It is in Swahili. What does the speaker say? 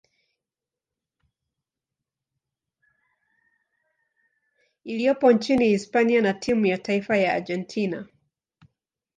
iliyopo nchini Hispania na timu ya taifa ya Argentina.